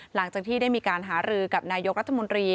หลังจากที่ได้มีการหารือกับนายกรัฐมนตรี